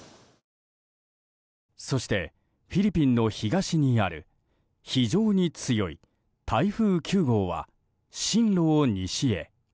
そして、フィリピンの東にある非常に強い台風９号は進路を西へ。